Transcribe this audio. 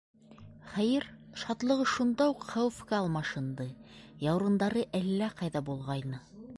Хәйер, шатлығы шунда уҡ хәүефкә алмашынды: яурындары әллә ҡайҙа булғайны.